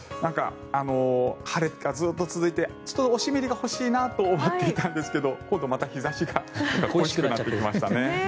晴れがずっと続いてお湿りが欲しいなと思っていたんですけど今度また日差しが恋しくなってきましたね。